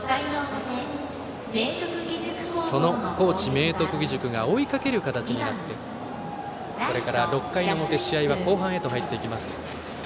その高知・明徳義塾が追いかける形になってこれから６回表試合は後半へと入っていきます。